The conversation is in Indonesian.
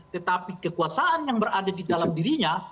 tetapi kekuasaan yang berada di dalam dirinya